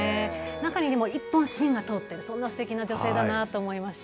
中に一本、芯が通ってる、そんなすてきな女性だなと思いました。